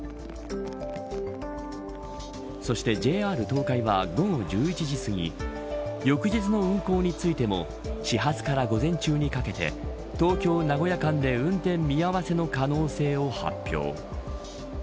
そしてＪＲ東海は午後１１時すぎ翌日の運行についても始発から午前中にかけて東京、名古屋間で運転見合わせの可能性を発表。